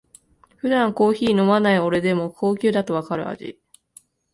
普段コーヒー飲まない俺でも高級だとわかる味